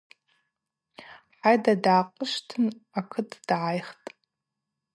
Хӏайда, дгӏакъвышвтын акыт дгӏайхтӏ.